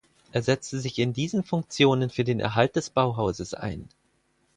Er setzte sich in diesen Funktionen für den Erhalt des Bauhauses ein.